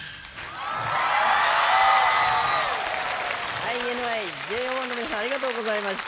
ＩＮＩ、ＪＯ１の皆さんありがとうございました。